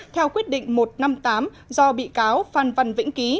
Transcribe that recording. theo quyết định một trăm năm mươi tám do bị cáo phan văn vĩnh ký